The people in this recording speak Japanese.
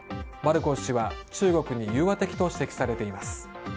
マルコス氏は中国に融和的と指摘されています。